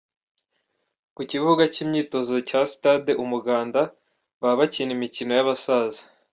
Ku kibuga cy'imyitozo cya sitade Umuganda baba bakina imikino y'abasaza.